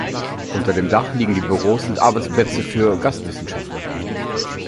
Unter dem Dach liegen die Büros und Arbeitsplätze für Gast-Wissenschaftler.